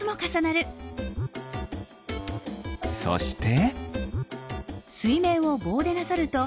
そして。